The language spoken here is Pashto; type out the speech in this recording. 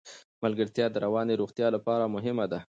ملګرتیا د رواني روغتیا لپاره مهمه ده.